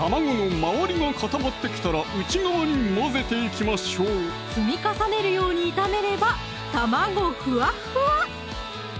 卵の周りが固まってきたら内側に混ぜていきましょう積み重ねるように炒めれば卵ふわふわ！